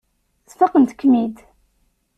Sfaqent-kem-id.